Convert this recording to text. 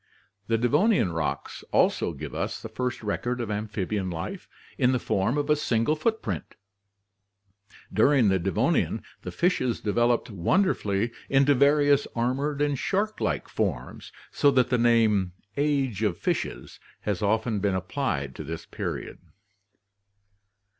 The Devonian rocks also give us the first actual 92 ORGANIC EVOLUTION record of amphibian life in the form of a single footprint (Tkinopus antiquus, Fig. 142). During the Devonian the fishes developed wonderfully into various armored and shark like forms, so that the name Age of Fishes has often been applied to this period.